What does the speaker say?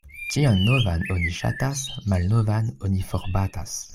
Ĉion novan oni ŝatas, malnovan oni forbatas.